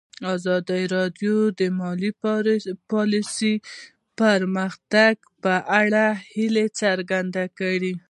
ازادي راډیو د مالي پالیسي د پرمختګ په اړه هیله څرګنده کړې.